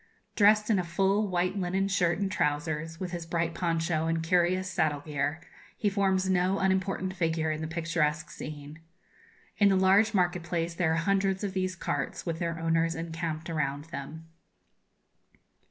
Dressed in a full white linen shirt and trousers, with his bright poncho and curious saddle gear, he forms no unimportant figure in the picturesque scene. In the large market place there are hundreds of these carts, with their owners encamped around them.